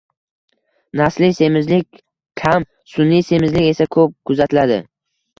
Nasliy semizlik kam, sun’iy semizlik esa ko‘p kuzatiladi.